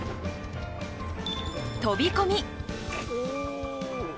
飛び込み！